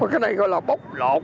cái này gọi là bốc lột